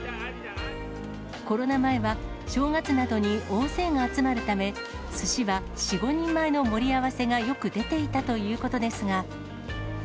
コロナ前は、正月などに大勢が集まるため、すしは４、５人前の盛り合わせがよく出ていたということですが。